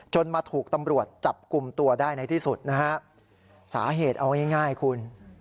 มาถูกตำรวจจับกลุ่มตัวได้ในที่สุดนะฮะสาเหตุเอาง่ายคุณ